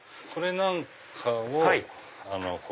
これなんかを。